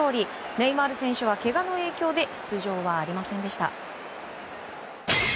ネイマール選手はけがの影響で出場はありませんでした。